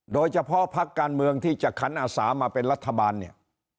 โดยเฉพาะภักดิ์การเมืองที่จะขันอาสามาเป็นรัฐบาลเนี่ย